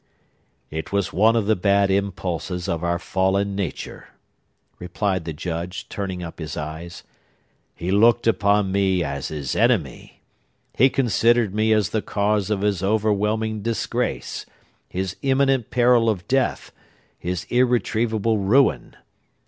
"It was one of the bad impulses of our fallen nature," replied the Judge, turning up his eyes. "He looked upon me as his enemy. He considered me as the cause of his overwhelming disgrace, his imminent peril of death, his irretrievable ruin.